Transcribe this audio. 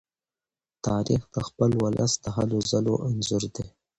تاریخ د خپل ولس د هلو ځلو انځور دی.